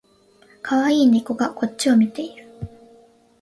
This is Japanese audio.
かわいい猫がこっちを見ている